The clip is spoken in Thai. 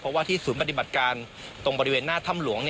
เพราะว่าที่ศูนย์ปฏิบัติการตรงบริเวณหน้าถ้ำหลวง